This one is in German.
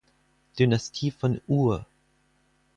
Dynastie von Ur.